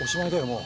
もう。